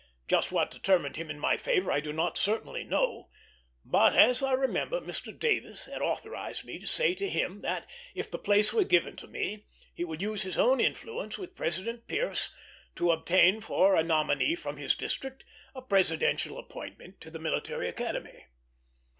Just what determined him in my favor I do not certainly know; but, as I remember, Mr. Davis had authorized me to say to him that, if the place were given me, he would use his own influence with President Pierce to obtain for a nominee from his district a presidential appointment to the Military Academy.